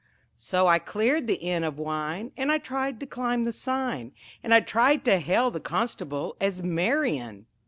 So I cleared the inn of wine, And I tried to climb the sign, And I tried to hail the constable as "Marion."